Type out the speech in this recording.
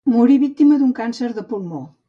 Morí víctima d'un càncer de pulmó.